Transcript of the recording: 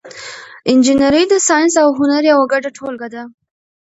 انجنیری د ساینس او هنر یوه ګډه ټولګه ده.